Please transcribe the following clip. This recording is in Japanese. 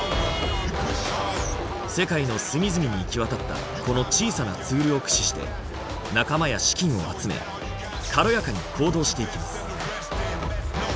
世界の隅々に行き渡ったこの小さなツールを駆使して仲間や資金を集め軽やかに行動していきます。